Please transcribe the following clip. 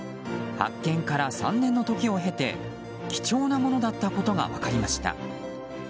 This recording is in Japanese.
発見から３年の時を経て貴重なものだったことが分かりました。